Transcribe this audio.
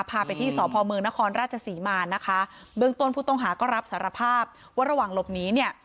พาไปที่สพเมืองนครราชศรีมานะคะเบื้องต้นผู้ต้องหาก็รับสารภาพว่าระหว่างหลบหนีเนี่ย